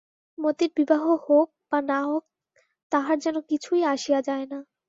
মতির বিবাহ হোক বা না হোক তাহার যেন কিছুই আসিয়া যায় না।